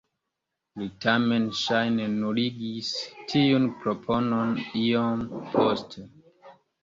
Li tamen ŝajne nuligis tiun proponon iom poste.